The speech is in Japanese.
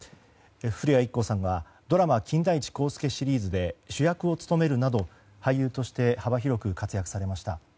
古谷一行さんはドラマ「金田一耕助」シリーズで主役を務めるなど俳優として幅広く活躍されました。